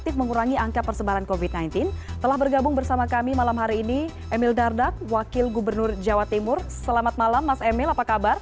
selamat malam baik alhamdulillah